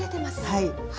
はい。